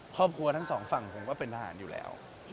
ครอบครัวทั้ง๒ฝั่งเหมือนกระเป๋าก็เป็นทหารอยู่แล้ว